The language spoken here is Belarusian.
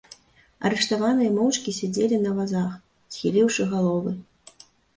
Арыштаваныя моўчкі сядзелі на вазах, схіліўшы галовы.